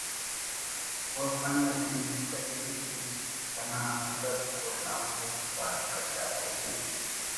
و فن“ اٹی نوشتہ کیک کہ ”ننا ادب کل آن مُست خواری کش آتے کن